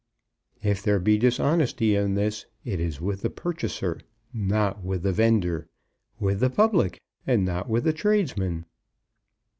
If there be dishonesty in this, it is with the purchaser, not with the vendor, with the public, not with the tradesman."